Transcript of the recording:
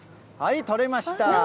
取れました。